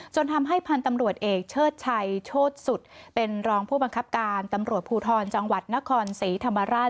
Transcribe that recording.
ทำให้พันธุ์ตำรวจเอกเชิดชัยโชธสุดเป็นรองผู้บังคับการตำรวจภูทรจังหวัดนครศรีธรรมราช